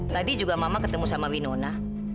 tadi juga mama ketemu sama winona